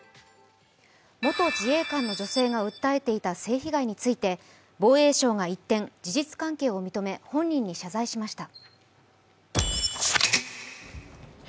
元自衛官の女性が訴えていた性被害について防衛省が一転、事実関係を認め本人に謝罪しました。